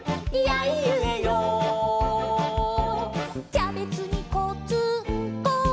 「キャベツにこつんこ」